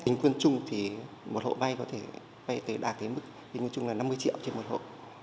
bình quân chung thì một hộ vay có thể vay đạt đến mức bình quân chung là năm mươi triệu trên một hộ